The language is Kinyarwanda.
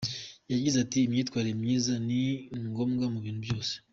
Yagize ati “Imyitwarire myiza ni ngombwa mu bintu byose.